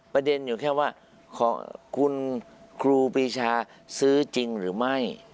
ประเด็นอยู่แค่ว่าคุณครูปีชาซื้อจริงหรือไม่